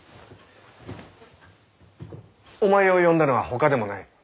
お前を呼んだのはほかでもない。